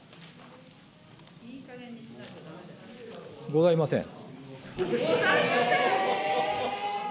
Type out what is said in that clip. ございません。